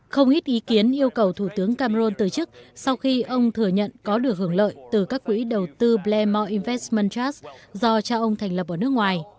không ít ý kiến yêu cầu thủ tướng cameron từ chức sau khi ông thừa nhận có được hưởng lợi từ các quỹ đầu tư blair mall investment trust do cha ông thành lập ở nước ngoài